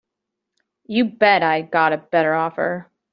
You bet I've got a better offer.